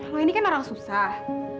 kalau ini kan orang susah